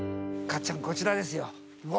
かっちゃん、こちらですよ。